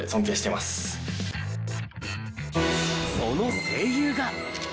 その声優が。